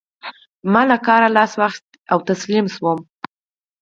ما له کاره لاس واخيست او تسليم شوم.